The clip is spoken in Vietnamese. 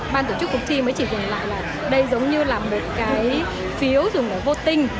ban tổ chức cuộc thi mới chỉ dùng lại là đây giống như là một cái phiếu dùng để voting